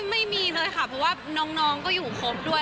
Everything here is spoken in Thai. ไม่มีเลยค่ะเพราะว่าน้องก็อยู่ครบด้วย